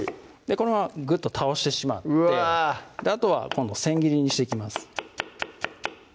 このままぐっと倒してしまってあとは今度せん切りにしていきます